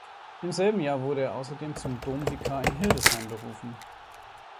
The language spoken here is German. Im selben Jahr wurde er außerdem zum Domvikar in Hildesheim berufen.